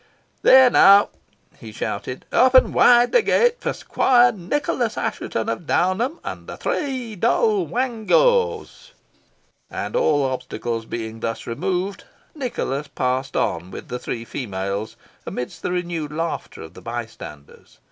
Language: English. There, now!" he shouted, "Open wide the gate for Squire Nicholas Assheton of Downham, and the three Doll Wangos." And, all obstacles being thus removed, Nicholas passed on with the three females amidst the renewed laughter of the bystanders.